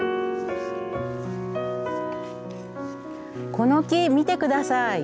この木見て下さい。